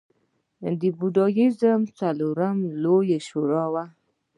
د بودیزم څلورمه لویه شورا وه